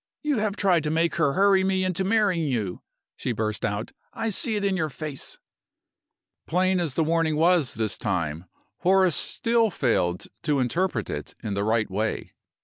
"You have tried to make her hurry me into marrying you," she burst out. "I see it in your face!" Plain as the warning was this time, Horace still failed to interpret it in the right way.